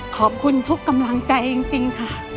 ขอบคุณทุกกำลังใจจริงค่ะ